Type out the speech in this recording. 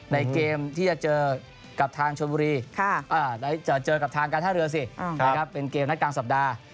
ในเกมที่จะเจอกับทางการท่าเรือสิเป็นเกมนักกลางสัปดาห์